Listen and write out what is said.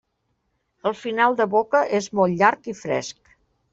El final de boca és molt llarg i fresc.